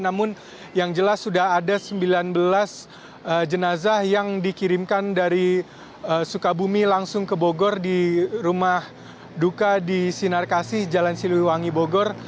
namun yang jelas sudah ada sembilan belas jenazah yang dikirimkan dari sukabumi langsung ke bogor di rumah duka di sinarkasih jalan siliwangi bogor